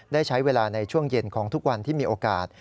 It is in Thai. ได้ใช้เวลาในช่วงเย็นของทุกวันที่มีโอกาส